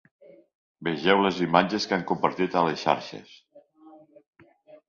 Vegeu les imatges que han compartit a les xarxes.